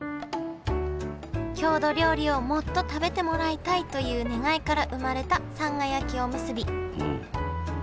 郷土料理をもっと食べてもらいたいという願いから生まれたさんが焼きおむすび。